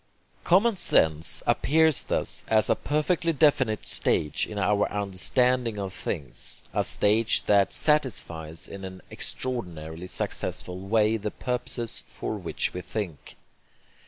Common sense appears thus as a perfectly definite stage in our understanding of things, a stage that satisfies in an extraordinarily successful way the purposes for which we think.